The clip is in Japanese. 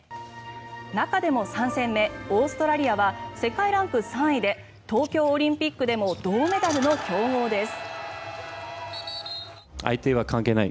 中でも３戦目オーストラリアは世界ランク３位で東京オリンピックでも銅メダルの強豪です。